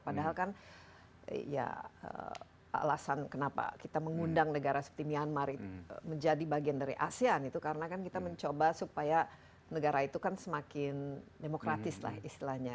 padahal kan ya alasan kenapa kita mengundang negara seperti myanmar menjadi bagian dari asean itu karena kan kita mencoba supaya negara itu kan semakin demokratis lah istilahnya